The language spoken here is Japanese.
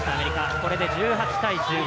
これで１８対１５。